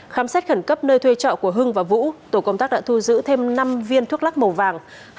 khám xét khẩn cấp nơi thuê trọ của hưng và vũ tổ công tác đã thu giữ thêm năm viên thuốc lắc màu vàng